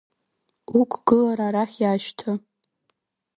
Уқәгылара арахь иаашьҭы!